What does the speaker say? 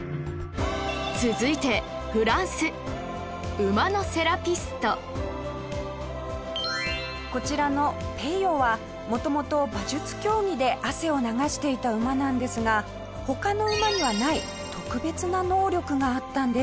続いて、フランス馬のセラピスト下平：こちらのペヨはもともと、馬術競技で汗を流していた馬なんですが他の馬にはない特別な能力があったんです。